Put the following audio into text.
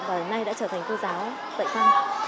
và hôm nay đã trở thành cô giáo dạy văn